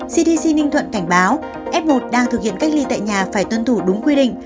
cdc ninh thuận cảnh báo f một đang thực hiện cách ly tại nhà phải tuân thủ đúng quy định